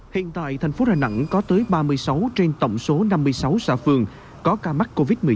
hiện tại thành phố đà nẵng có tới ba mươi sáu trên tổng số năm mươi sáu xã phường có ca mắc covid một mươi chín